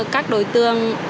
các đối tượng